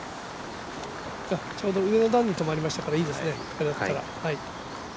ちょうど上の段に止まりましたからいいですね、これだったら。